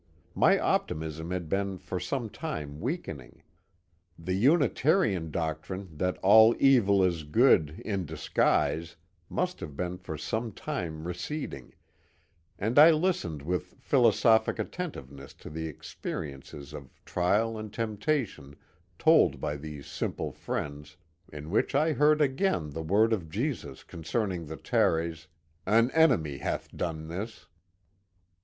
My optimism had been for some time weakening ; the Unitarian doctrine that all evil is good in disguise must have been for some time receding ; and I listened with philosophic attentiveness to the experiences of trial and temptation told by these simple friends, in which I heard again the word of Jesus concerning the tares, —^* An enemy hath done this."